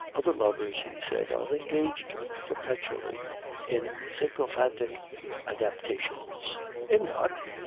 "Other lovers," he said, "are engaged perpetually in sycophantic adaptations " "In what?"